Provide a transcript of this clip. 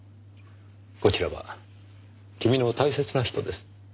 こちらは君の大切な人です。